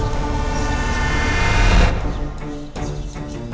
ada apaan sih